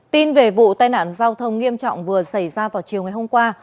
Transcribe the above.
tin về vụ tai nạn giao thông nghiêm trọng vừa xảy ra vào chiều ngày hôm qua